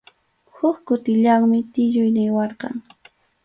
Huk kutillanmi tiyuy niwarqan.